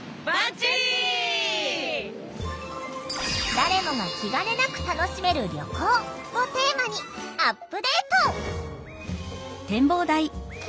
「誰もが気がねなく楽しめる旅行」をテーマにアップデート！